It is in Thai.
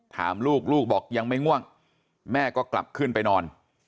ถามลูกลูกบอกยังไม่ง่วงแม่ก็กลับขึ้นไปนอน